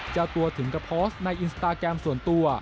เจ้าตัวถึงกับโพสต์ในอินสตาแกรมส่วนตัว